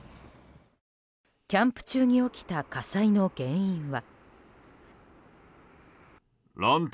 キャンプ中に起きた火災の原因は。